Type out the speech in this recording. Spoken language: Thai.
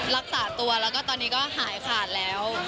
รักษาตัวแล้วก็ตอนนี้ก็หายขาดแล้ว